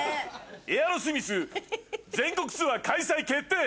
エアロスミス全国ツアー開催決定！